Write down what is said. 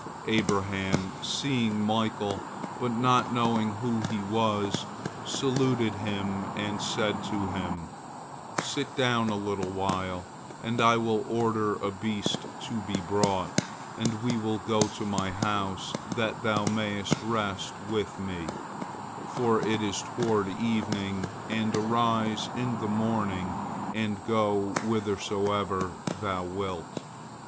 Abraham, seeing Michael, but not knowing who he was, saluted him and said to him, "Sit down a little while, and I will order a beast to be brought, and we will go to my house, that thou mayest rest with me, for it is toward evening, and arise in the morning and go whithersoever thou wilt."